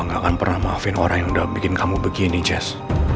gak akan pernah maafin orang yang udah bikin kamu begini jazz